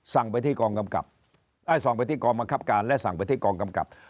สั่งไปที่กองบังคับการและสั่งไปที่กองกำกับ